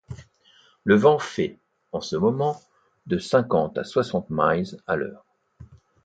Le vent fait, en ce moment, de cinquante à soixante milles à l’heure.